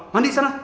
mandi di sana